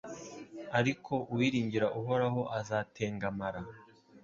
ariko uwiringira Uhoraho azatengamara